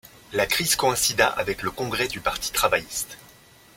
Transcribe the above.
La crise coïncida avec le congrès du Parti travailliste.